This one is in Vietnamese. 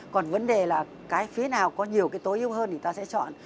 còn vấn đề là cái phía nào có nhiều cái tối ưu hơn thì ta sẽ chọn